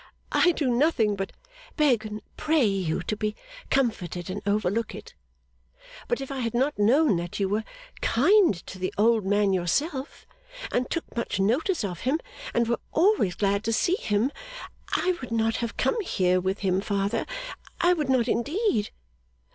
'I do nothing but beg and pray you to be comforted and overlook it. But if I had not known that you were kind to the old man yourself, and took much notice of him, and were always glad to see him, I would not have come here with him, father, I would not, indeed.